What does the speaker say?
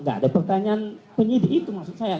nggak ada pertanyaan penyidik itu maksud saya